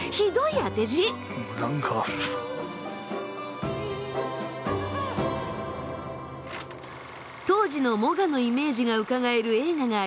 当時のモガのイメージがうかがえる映画がありました。